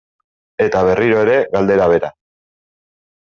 Eta berriro ere galdera bera.